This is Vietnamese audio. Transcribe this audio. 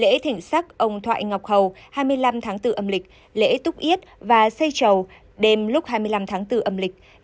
lễ thỉnh sắc ông thoại ngọc hầu hai mươi năm tháng bốn âm lịch lễ túc yết và xây trầu đêm lúc hai mươi năm tháng bốn âm lịch